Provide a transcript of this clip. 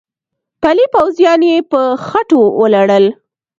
پلي پوځیان يې په خټو ولړل.